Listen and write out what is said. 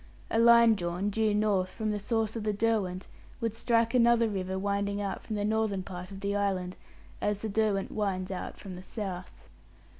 A line drawn due north from the source of the Derwent would strike another river winding out from the northern part of the island, as the Derwent winds out from the south.